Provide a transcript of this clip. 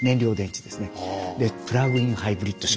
プラグインハイブリッド車。